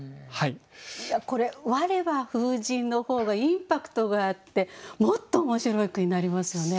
これ「われは風神」の方がインパクトがあってもっと面白い句になりますよね。